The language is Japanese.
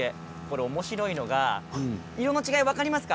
おもしろいのが色の違いが、分かりますか？